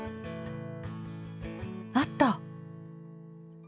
あった。